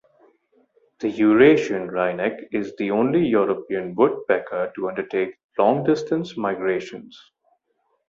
The Eurasian wryneck is the only European woodpecker to undertake long distance migrations.